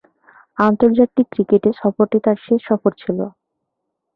আন্তর্জাতিক ক্রিকেটে এ সফরটি তার শেষ সফর ছিল।